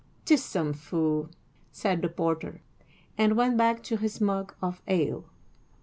"'Tis some fool," said the porter, and went back to his mug of ale.